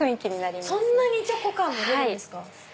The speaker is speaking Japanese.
そんなにチョコ感も出るんですか！